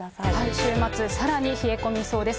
週末、さらに冷え込みそうです。